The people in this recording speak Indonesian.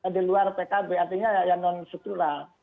di luar pkb artinya yang non struktural